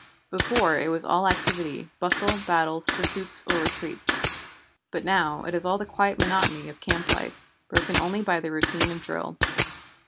Before it was all activity, bustle, battles, pursuits or retreats. But now it is all the quiet monotony of camp life, broken only by the routine of drill.